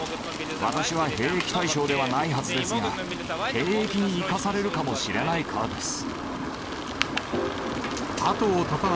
私は兵役対象ではないはずですが、兵役に行かされるかもしれないからです。